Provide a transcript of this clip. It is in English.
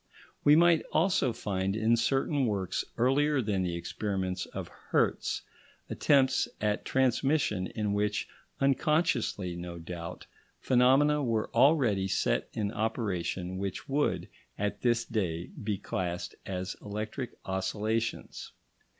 We might also find in certain works earlier than the experiments of Hertz attempts at transmission in which, unconsciously no doubt, phenomena were already set in operation which would, at this day, be classed as electric oscillations.